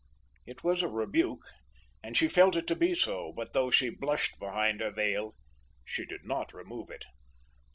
It was a rebuke and she felt it to be so; but though she blushed behind her veil, she did not remove it.